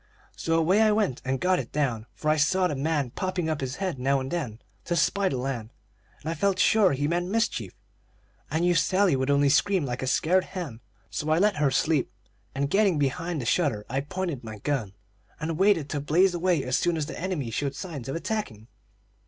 So away I went and got it down; for I saw the man popping up his head now and then to spy the land, and I felt sure he meant mischief. I knew Sally would only scream like a scared hen, so I let her sleep; and getting behind the shutter I pointed my gun, and waited to blaze away as soon as the enemy showed signs of attacking.